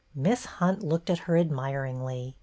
Miss Hunt looked at her admiringly.